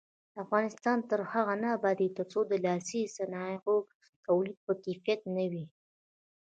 افغانستان تر هغو نه ابادیږي، ترڅو د لاسي صنایعو تولید په کیفیت نه وي.